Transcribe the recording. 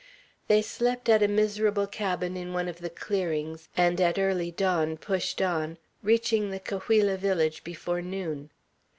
They slept at a miserable cabin in one of the clearings, and at early dawn pushed on, reaching the Cahuilla village before noon.